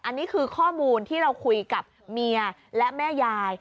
อันนี้คือข้อมูลที่เราคุยกับเมียและแม่ยาย